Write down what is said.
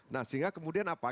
nah sehingga kemudian apa